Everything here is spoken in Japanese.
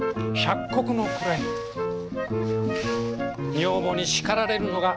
女房に叱られるのが関の山。